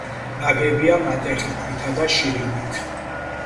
ნაგებია ნატეხი ქვითა და შირიმით.